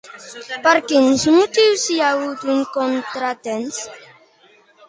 Per quin motiu hi ha hagut uns contratemps?